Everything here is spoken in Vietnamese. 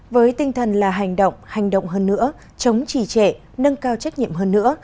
với tinh thần là hành động hành động hơn nữa chống trì trệ nâng cao trách nhiệm hơn nữa